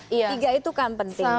tiga itu kan penting